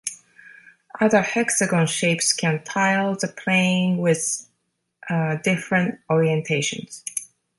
Other hexagon shapes can tile the plane with different orientations.